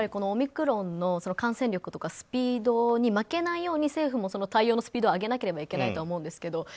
オミクロンの感染力とかスピードに負けないように政府も対応のスピードを上げなければいけないとは思うんですけど